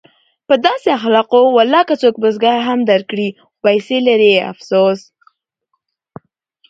په داسې اخلاقو ولاکه څوک بزګري هم درکړي خو پیسې لري افسوس!